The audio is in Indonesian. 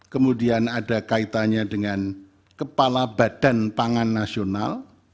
kemudian ada kaitannya dengan kepala badan pangan nasional